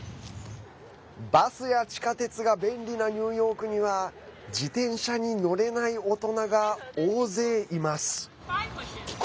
バスや地下鉄が便利なニューヨークには自転車に乗れない大人が大勢います。